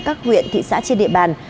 các huyện thị xã trên địa bàn